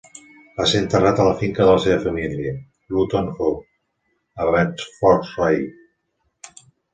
Va ser enterrat a la finca de la seva família, Luton Hoo, a Bedfordshire.